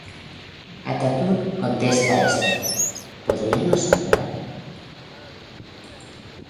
Atatürk contesta a esto ¿Podría no sangrar?